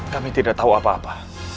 kami tidak tahu apa apa